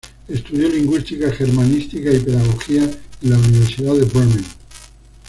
Estudió lingüística, germanística y pedagogía en la Universidad de Bremen.